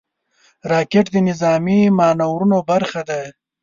راکټ د نظامي مانورونو برخه ده